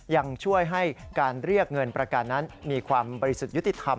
ยังช่วยให้การเรียกเงินประกันนั้นมีความบริสุทธิ์ยุติธรรม